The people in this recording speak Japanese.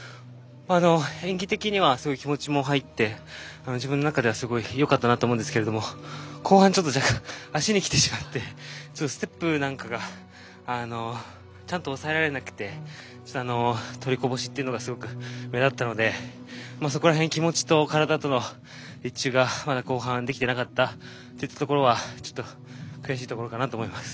演技的にはすごい気持ちも入って自分の中ではすごいよかったなと思うんですけど後半、若干足にきてしまってステップなんかがちゃんと抑えられなくて取りこぼしというのがすごく目立ったのでそこら辺、気持ちと体との一致がまだ後半できていなかったところはちょっと悔しいところかなと思います。